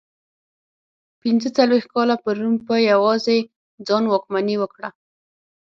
پنځه څلوېښت کاله پر روم په یوازې ځان واکمني وکړه